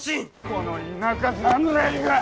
この田舎侍が！